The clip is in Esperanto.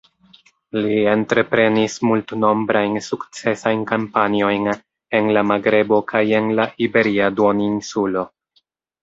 Li entreprenis multnombrajn sukcesajn kampanjojn en la Magrebo kaj en la Iberia duoninsulo.